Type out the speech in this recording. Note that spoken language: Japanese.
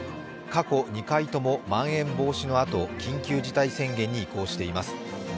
過去２回ともまん延防止のあと、緊急事態宣言に移行しています。